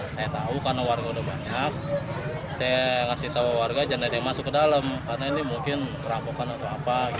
saya tahu karena warga sudah banyak saya kasih tahu warga jangan ada yang masuk ke dalam karena ini mungkin perampokan atau apa